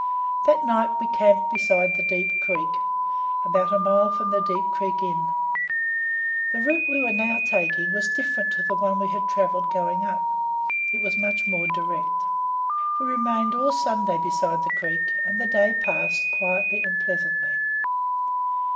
That night we camped beside the Deep Creek, about a mile from the "Deep Creek Inn." The route we were now taking was different to the one we had travelled going up it was much more direct. We remained all Sunday beside the creek, and the day passed quietly and pleasantly.